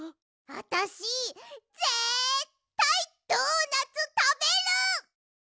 あたしぜったいドーナツたべる！